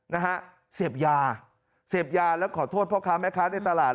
นะฮะเสพยาเสพยาแล้วขอโทษพ่อค้าแม่ค้าในตลาด